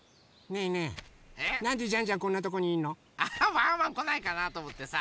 ワンワンこないかなとおもってさ